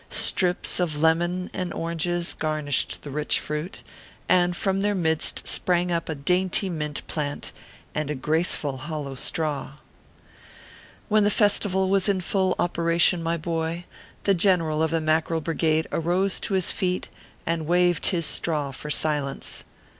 Strips of lemon and oranges garnished the rich fruit, and from their midst sprang up a dainty mint plant, and a graceful hollow straw. When the festival was in full operation, my boy, the General of the Mackerel Brigade arose to his feet, and waved his straw for silence.